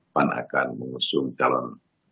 pan akan mengusung calon